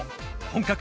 本格！